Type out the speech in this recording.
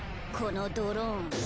このドローン。